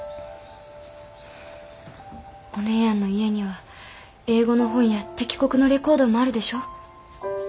お姉やんの家には英語の本や敵国のレコードもあるでしょう？